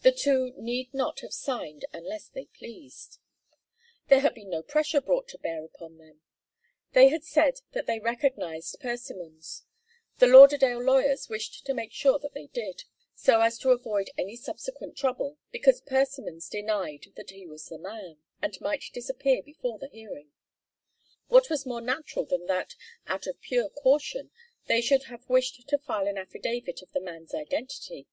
The two need not have signed unless they pleased. There had been no pressure brought to bear upon them. They had said that they recognized Persimmons. The Lauderdale lawyers wished to make sure that they did, so as to avoid any subsequent trouble, because Persimmons denied that he was the man, and might disappear before the hearing. What was more natural than that, out of pure caution, they should have wished to file an affidavit of the man's identity?